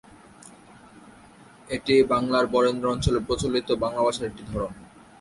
এটি বাংলার বরেন্দ্র অঞ্চলে প্রচলিত বাংলা ভাষার একটি ধরন।